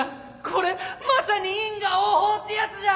これまさに因果応報ってやつじゃん！